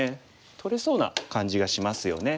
取れそうな感じがしますよね。